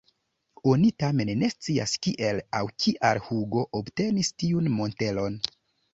Oni tamen ne scias kiel aŭ kial Hugo obtenis tiun mantelon.